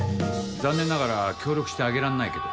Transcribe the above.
残念ながら協力してあげらんないけど。